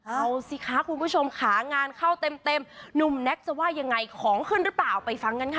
เอาสิคะคุณผู้ชมค่ะงานเข้าเต็มหนุ่มแน็กจะว่ายังไงของขึ้นหรือเปล่าไปฟังกันค่ะ